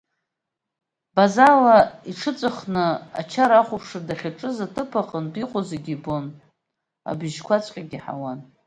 Базала иҽыҵәахны ачара ахәаԥшра дахьаҿыз аҭыԥа ҟынтә иҟоу зегьы ибон, абыжьқәаҵәҟьа иаҳауан.